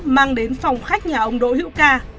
mang đến phòng khách nhà ông đội hữu ca